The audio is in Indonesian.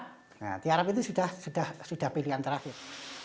nah tiarap itu sudah pilihan terakhir